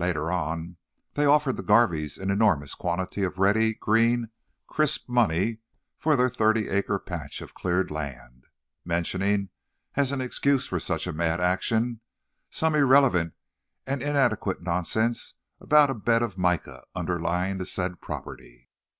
Later on, they offered the Garveys an enormous quantity of ready, green, crisp money for their thirty acre patch of cleared land, mentioning, as an excuse for such a mad action, some irrelevant and inadequate nonsense about a bed of mica underlying the said property.